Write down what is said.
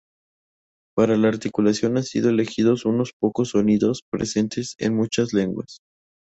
Para la articulación han sido elegidos unos pocos sonidos presentes en muchas lenguas.